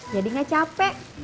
jadi gak capek